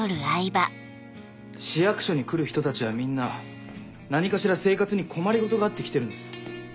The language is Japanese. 市役所に来る人たちはみんな何かしら生活に困り事があって来てるんです。